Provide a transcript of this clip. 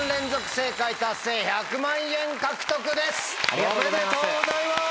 ありがとうございます。